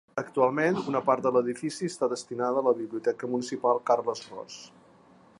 Actualment, una part de l'edifici està destinada a la Biblioteca Municipal Carles Ros.